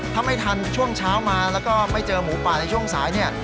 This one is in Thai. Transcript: ถ้าไม่ทันช่วงเช้ามาแล้วก็ไม่เจอหมูป่าในช่วงสายเนี่ย